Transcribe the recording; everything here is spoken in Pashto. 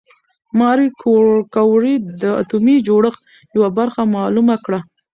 ماري کوري د اتومي جوړښت یوه برخه معلومه کړه.